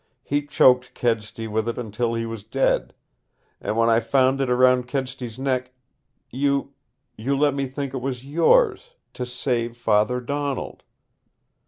"He choked Kedsty with it until he was dead. And when I found it around Kedsty's neck you you let me think it was yours to save father Donald!"